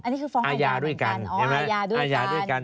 อันนี้คือฟ้องให้ร่างกายเหมือนกันอัญญาด้วยกัน